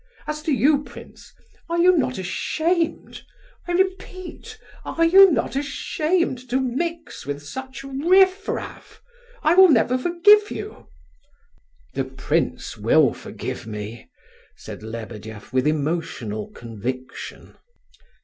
As to you, prince, are you not ashamed?—I repeat, are you not ashamed, to mix with such riff raff? I will never forgive you!" "The prince will forgive me!" said Lebedeff with emotional conviction.